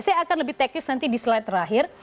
saya akan lebih teknis nanti di slide terakhir